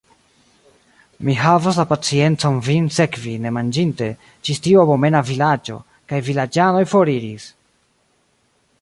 Mi havas la paciencon vin sekvi nemanĝinte, ĝis tiu abomena vilaĝo; kaj vilaĝanoj foriris!